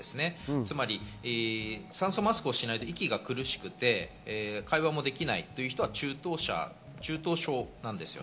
つまり酸素マスクをしないと息が苦しくて会話もできないという人は中等症なんですよ。